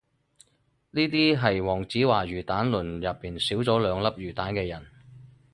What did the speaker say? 嗰啲係黃子華魚蛋論入面少咗兩粒魚蛋嘅人